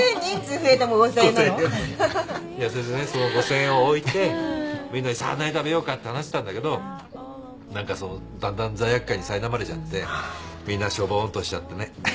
それでねその５，０００円を置いてみんなで「さあ何食べようか？」って話してたんだけど何かだんだん罪悪感にさいなまれちゃってみんなしょぼんとしちゃってね。